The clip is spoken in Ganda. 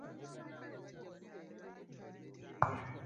Bw'oteeka kasooli mu ttaka kye bayita okusiga.